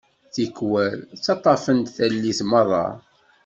Tikwal, ttaṭṭafen-t tallit merra.